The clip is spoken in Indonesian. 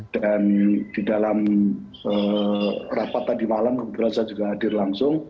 dan di dalam rapat tadi malam saya juga hadir langsung